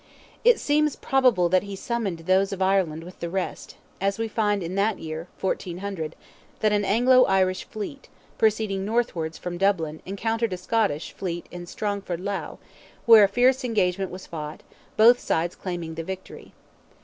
It seems probable that he summoned those of Ireland with the rest, as we find in that year (1400) that an Anglo Irish fleet, proceeding northwards from Dublin, encountered a Scottish, fleet in Strangford Lough, where a fierce engagement was fought, both sides claiming the victory.